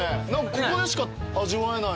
ここでしか味わえない。